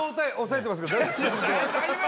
大丈夫！